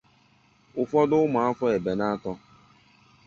ụfọdụ ụmụafọ Ebenator